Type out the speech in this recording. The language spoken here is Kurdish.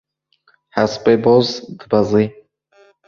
Hespê boz dibeze.